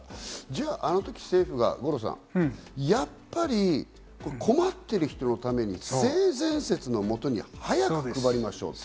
じゃあ、あの時、五郎さん、困ってる人のために性善説のもとに早く配りましょうと。